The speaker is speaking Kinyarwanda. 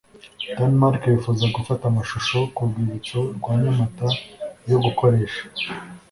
denmark bifuza gufata amashusho ku rwibutso rwa nyamata yo gukoresha